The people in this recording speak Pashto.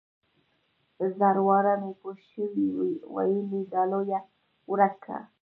زر واره مې پوشوې ويلي دا ليوه ورک که.